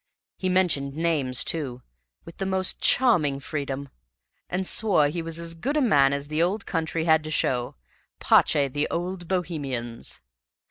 He mentioned names, too, with the most charming freedom, and swore he was as good a man as the Old Country had to show PACE the Old Bohemians.